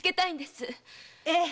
ええ！